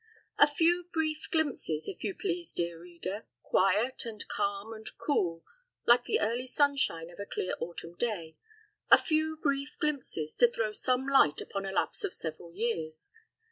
A few brief glimpses, if you please, dear reader quiet, and calm, and cool, like the early sunshine of a clear autumn day a few brief glimpses, to throw some light upon a lapse of several years.